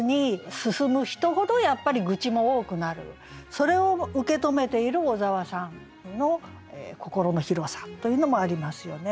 それを受け止めている小沢さんの心の広さというのもありますよね。